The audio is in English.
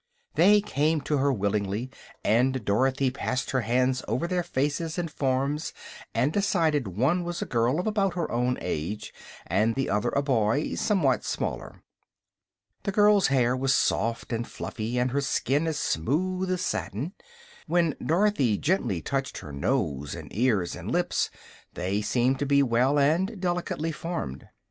They came to her willingly, and Dorothy passed her hands over their faces and forms and decided one was a girl of about her own age and the other a boy somewhat smaller. The girl's hair was soft and fluffy and her skin as smooth as satin. When Dorothy gently touched her nose and ears and lips they seemed to be well and delicately formed.